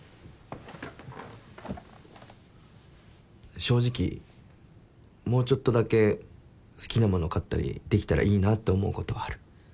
正直もうちょっとだけ好きなもの買ったりできたらいいなって思うことはある。